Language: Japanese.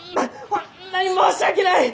ホンマに申し訳ない！